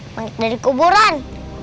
manggil dari kuburan